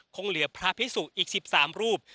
คงเหลือพระพิสุอีก๑๓รูป